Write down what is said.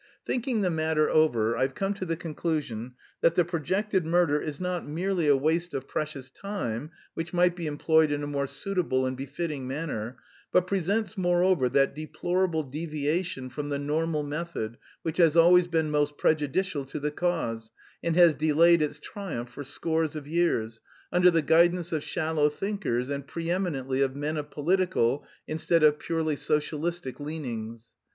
"Thinking the matter over, I've come to the conclusion that the projected murder is not merely a waste of precious time which might be employed in a more suitable and befitting manner, but presents, moreover, that deplorable deviation from the normal method which has always been most prejudicial to the cause and has delayed its triumph for scores of years, under the guidance of shallow thinkers and pre eminently of men of political instead of purely socialistic leanings.